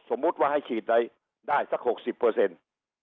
สมมุติว่าให้ขีดได้ได้สัก๖๐เปอร์เซ็นต์